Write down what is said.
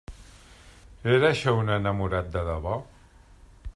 Era això un enamorat de debò?